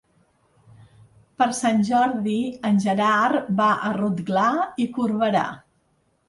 Per Sant Jordi en Gerard va a Rotglà i Corberà.